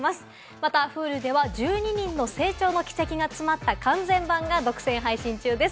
またＨｕｌｕでは１２人の成長の軌跡が詰まった完全版が独占配信中です。